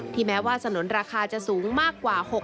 แม้ว่าสนุนราคาจะสูงมากกว่า